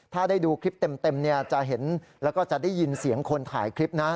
ถ้าได้ดูคลิปเต็มเนี่ยจะเห็นแล้วก็จะได้ยินเสียงคนถ่ายคลิปนะ